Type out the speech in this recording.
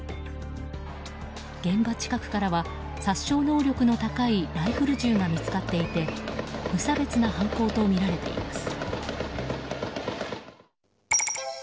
現場近くからは殺傷能力の高いライフル銃が見つかっていて無差別な犯行とみられています。